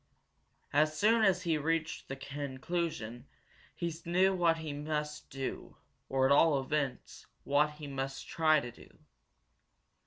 As soon as he reached that conclusion he knew what he must do, or, at all events, what he must try to do.